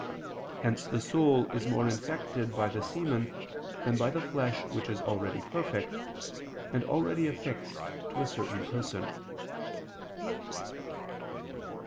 Hence the soul is more infected by the semen, than by the flesh which is already perfect, and already affixed to a certain person.